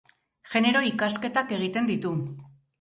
Genero ikasketak egiten ditu.